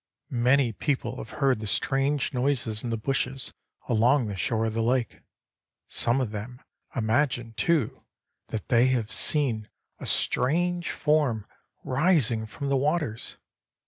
"Many people have heard the strange noises in the bushes along the shore of the lake. Some of them imagine, too, that they have seen a strange form rising from the waters.